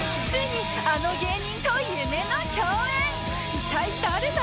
一体誰だ？